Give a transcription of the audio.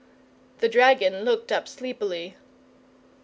The dragon looked up sleepily.